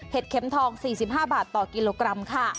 เข็มทอง๔๕บาทต่อกิโลกรัมค่ะ